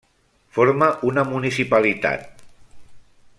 Forma una municipalitat.